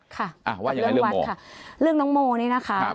ค่ะว่ายังไงเรื่องวัดค่ะเรื่องน้องโมนี่นะคะ